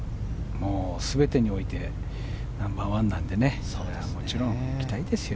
全てにおいて、ナンバー１なのでもちろん来たいですよ